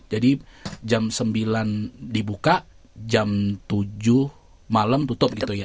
jadi jam sembilan dibuka jam tujuh malam tutup gitu ya